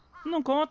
あっ！